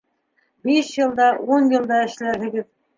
Биш йыл да, ун йыл да эшләрһегеҙ.